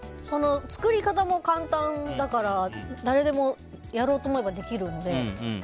作り方も簡単だから誰でもやろうと思えばできるので。